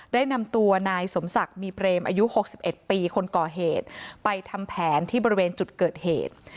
ได้นำตัวนายสมศักดิ์มีเปรมอายุ๖๑ปีคนก่อเหตุไปทำแผนที่บริเวณจุดเกิดเหตุ